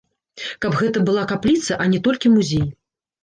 Каб гэта была капліца, а не толькі музей.